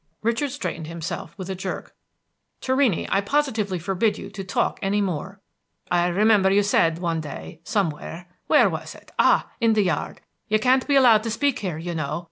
Richard straightened himself with a jerk. "Torrini, I positively forbid you to talk any more!" "I remember you said that one day, somewhere. Where was it? Ah, in the yard! 'You can't be allowed to speak here, you know.'